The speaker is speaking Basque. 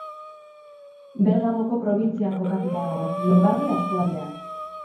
Bergamoko probintzian kokatuta dago, Lombardia eskualdean.